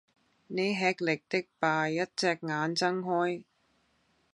你吃力的把一隻眼睜開